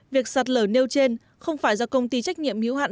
việc sạt lở nêu trên không phải do công ty trách nhiệm hiếu hạn